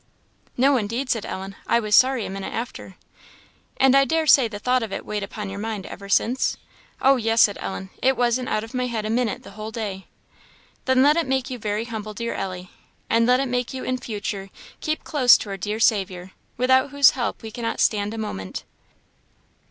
"No, indeed!" said Ellen. "I was sorry a minute after." "And I dare say the thought of it weighed upon your mind ever since?" "Oh, yes!" said Ellen; "it wasn't out of my head a minute the whole day." "Then let it make you very humble, dear Ellie, and let it make you in future keep close to our dear Saviour, without whose help we cannot stand a moment."